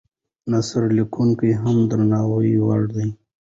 نثر لیکونکي هم د درناوي وړ دي.